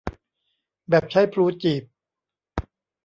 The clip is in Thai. แบบใช้พลูจีบ